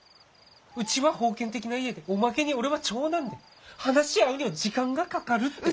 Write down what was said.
うちは封建的な家でおまけに俺は長男で話し合うには時間がかかるって。